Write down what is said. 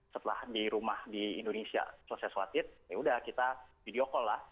setelah di rumah di indonesia selesai sholat idhiyah ya sudah kita video call